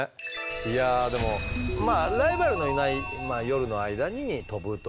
いやでもまあライバルのいない夜の間に飛ぶという。